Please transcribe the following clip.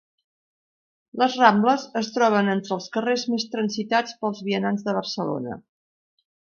"Les Rambles" es troben entre els carrers més transitats pels vianants de Barcelona.